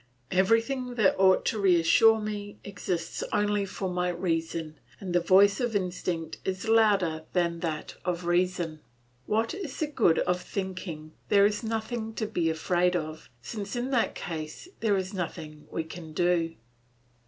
Everything that ought to reassure me exists only for my reason, and the voice of instinct is louder than that of reason. What is the good of thinking there is nothing to be afraid of, since in that case there is nothing we can do?